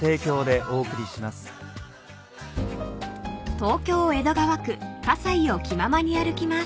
［東京江戸川区葛西を気ままに歩きます］